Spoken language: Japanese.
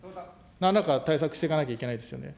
なんらか対策していかなければいけないですよね。